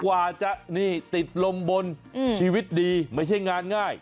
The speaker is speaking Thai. กว่าจะนี่ติดลมบนชีวิตดีไม่ใช่งานง่าย